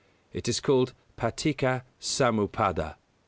It is called Paticca Samuppāda.